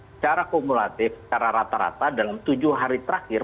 secara kumulatif secara rata rata dalam tujuh hari terakhir